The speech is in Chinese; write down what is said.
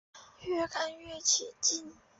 越看越起劲